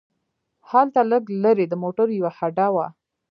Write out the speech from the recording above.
هلته لږ لرې د موټرو یوه هډه وه.